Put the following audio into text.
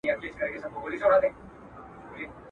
ژوند یې ښه وو کاروبار یې برابر وو.